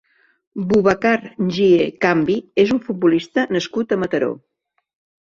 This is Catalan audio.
Bubacar Njie Kambi és un futbolista nascut a Mataró.